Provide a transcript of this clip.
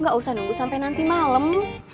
gak usah nunggu sampe nanti malem